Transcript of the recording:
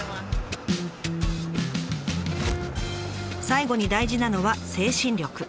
最後に大事なのは「精神力」。